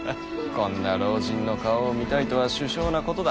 こんな老人の顔を見たいとは殊勝なことだ。